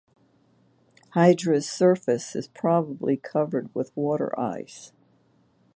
Hydra's surface is probably covered with water ice.